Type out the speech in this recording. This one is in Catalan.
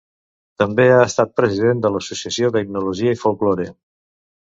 També ha estat president de l'Associació d'Etnologia i Folklore.